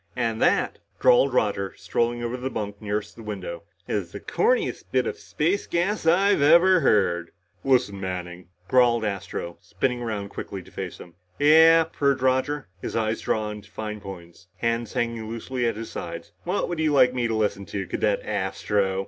"And that," drawled Roger, strolling to the bunk nearest the window, "is the corniest bit of space gas I've ever heard." "Listen, Manning!" growled Astro, spinning around quickly to face him. "Yeah," purred Roger, his eyes drawn to fine points, hands hanging loosely at his sides. "What would you like me to listen to, Cadet Astro?"